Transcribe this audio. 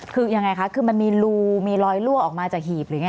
คือยังไงคะคือมันมีรูมีรอยรั่วออกมาจากหีบหรือไง